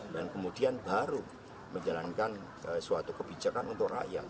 dan kemudian baru menjalankan suatu kebijakan untuk rakyat